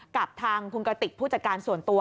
กับทางคุณกติกผู้จัดการส่วนตัว